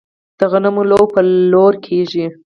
د غنمو لو په لور کیږي.